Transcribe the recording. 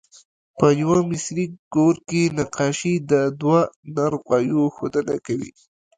په یوه مصري ګور کې نقاشي د دوه نر غوایو ښودنه کوي.